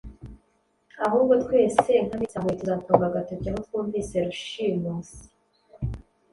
Ahubwo twese nk’abitsamuye tuzatunga agatoki aho twumvise Rushimusi.